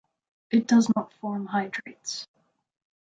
It does not form hydrates.